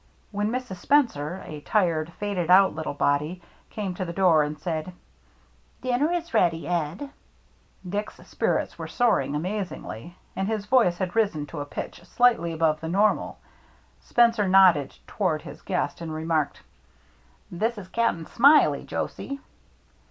When Mrs. Spencer, a tired, faded out little body, came to the door and said, " Dinner is ready, Ed," Dick's spirits were soaring amaz ingly, and his voice had risen to a pitch slightly THE CIRCLE MARK 103 above the normal. Spencer nodded toward his guest and remarked, "This is Cap'n Smiley, Josie."